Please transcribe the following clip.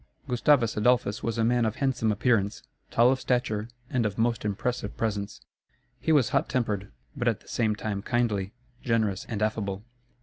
Gustavus Adolphus was a man of handsome appearance, tall of stature, and of most impressive presence. He was hot tempered; but at the same time kindly, generous, and affable.